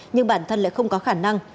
nhưng bản thân lại không có khả năng